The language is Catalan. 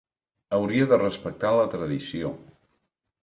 Hauria de respectar la tradició.